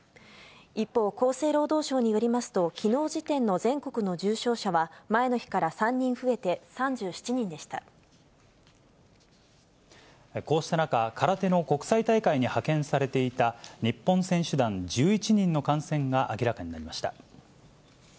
一方、厚生労働省によりますと、きのう時点の全国の重症者は、前の日から３人増えて３７人でしこうした中、空手の国際大会に派遣されていた日本選手団１１人の感染が明らかになりました。